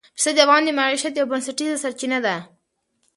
پسه د افغانانو د معیشت یوه بنسټیزه سرچینه ده.